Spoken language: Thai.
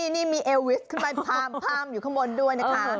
นี่มีเอลวิสขึ้นไปพามอยู่ข้างบนด้วยนะคะ